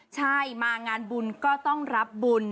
ใช่มางานบุญก็ต้องรับบุญ